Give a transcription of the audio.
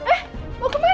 eh mau ke mana